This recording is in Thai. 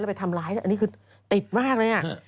ไปทำร้ายอันนี้คือติดมากเลย